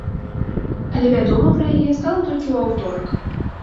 Але вядома пра яе стала толькі ў аўторак.